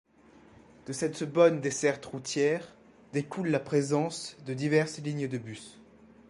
De cette bonne desserte routière découle la présence de diverses lignes de bus.